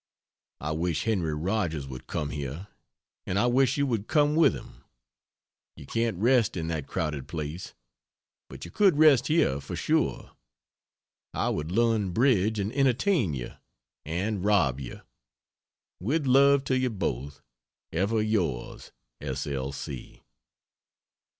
I wish Henry Rogers would come here, and I wish you would come with him. You can't rest in that crowded place, but you could rest here, for sure! I would learn bridge, and entertain you, and rob you. With love to you both, Ever yours, S. L.